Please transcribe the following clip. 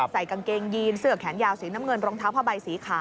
ใส่กางเกงยีนเสื้อแขนยาวสีน้ำเงินรองเท้าผ้าใบสีขาว